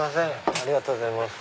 ありがとうございます。